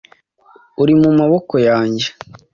uri mu maboko yanjye,